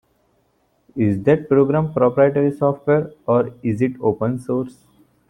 Is that program proprietary software, or is it open source?